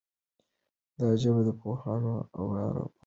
دا ژبه د پوهانو او عارفانو ژبه ده.